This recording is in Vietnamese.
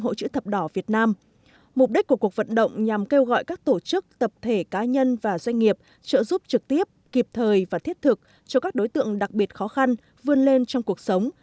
hội chữ thập đỏ việt nam mục đích của cuộc vận động nhằm kêu gọi các tổ chức tập thể cá nhân và doanh nghiệp trợ giúp trực tiếp kịp thời và thiết thực cho các đối tượng đặc biệt khó khăn vươn lên trong cuộc sống